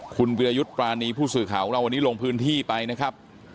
คุณวิรยุทธ์ปรานีผู้สื่อข่าวของเราวันนี้ลงพื้นที่ไปนะครับ